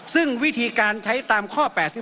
ซึ่งวิธีการใช้ตามข้อ๘๒